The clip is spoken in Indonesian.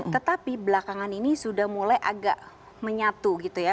tetapi belakangan ini sudah mulai agak menyatu gitu ya